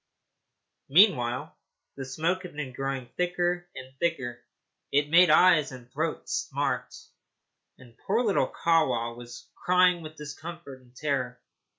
Meanwhile the smoke had been growing thicker and thicker. It made eyes and throat smart, and poor little Kahwa was crying with discomfort and terror.